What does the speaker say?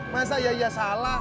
masa ya ya salah